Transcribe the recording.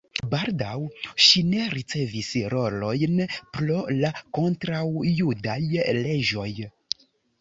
Baldaŭ ŝi ne ricevis rolojn pro la kontraŭjudaj leĝoj.